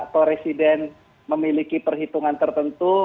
presiden memiliki perhitungan tertentu